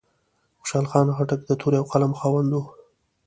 خوشحال خان خټک د تورې او قلم خاوند و.